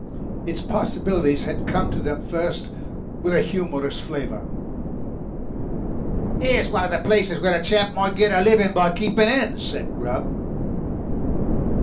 Its possibilities had come to them first with a humorous flavour. "Here's one of the places where a chap might get a living by keeping hens," said Grubb.